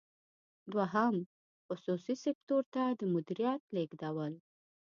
دوهم: خصوصي سکتور ته د مدیریت لیږدول.